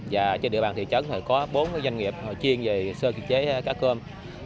và trên địa bàn thị trấn thì có bốn doanh nghiệp họ chuyên về sơ chế cá cơm